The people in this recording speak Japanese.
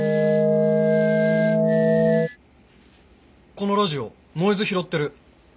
このラジオノイズ拾ってる。